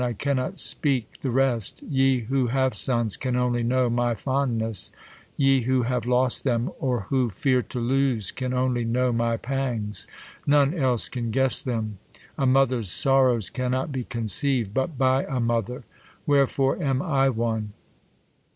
I cannot speak the res^ Yg who have sons can only know my fondness ! ¥e who have lost them, or who fear to lose, Can only know my pangs ! None else can guess them* A mother's sorrows cannot be conceiv'd, But by a mother. Wherefore am I one